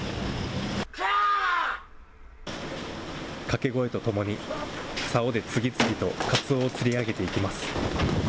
掛け声とともに、さおで次々とかつおを釣り上げていきます。